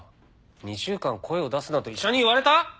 「２週間声を出すなと医者に言われた」！？